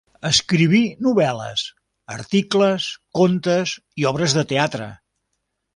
Escriví novel·les, articles, contes i obres de teatre.